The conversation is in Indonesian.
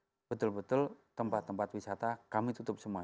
jadi ini betul betul tempat tempat wisata kami tutup semua